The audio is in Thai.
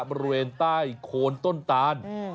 บริเวณใต้โคนต้นตาน